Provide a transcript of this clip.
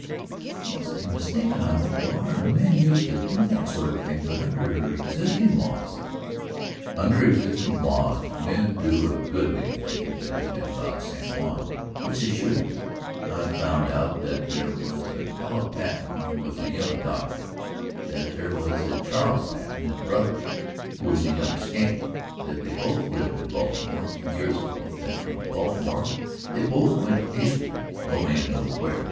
"You must be mistaken. I hope you are. Men used to do that sort of thing, but under existing laws ..." "Under existing laws men do a good many things in and about San Juan which they shouldn't do. I have found out that there was a Caleb Patten who was a young doctor; that there was a Charles Patten, his brother, who was a young scamp; that they both lived in Baltimore a few years ago; that from Baltimore they both went hastily no man knows where.